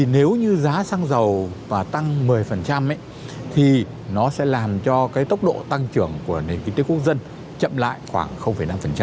nếu như giá xăng dầu và tăng một mươi thì nó sẽ làm cho cái tốc độ tăng trưởng của nền kinh tế quốc dân chậm lại khoảng năm